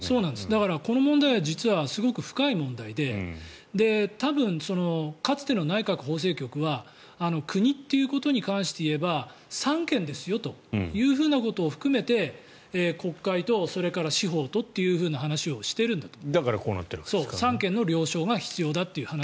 だからこの問題は実はすごい深い問題で多分、かつての内閣法制局は国ということに関して言えば三権ですよということを含めて国会とそれから司法とという話をしているんだと。